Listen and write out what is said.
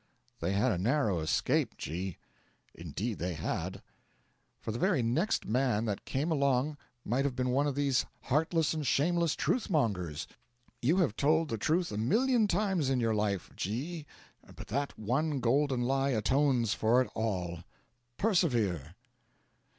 'They had a narrow escape, G .' 'Indeed they had.' 'For the very next man that came along might have been one of these heartless and shameless truth mongers. You have told the truth a million times in your life, G , but that one golden lie atones for it all. Persevere.'